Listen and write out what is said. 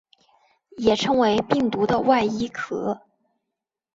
也称为病毒的外衣壳。